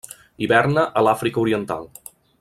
Hiverna a l'Àfrica Oriental.